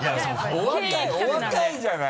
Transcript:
お若いじゃない。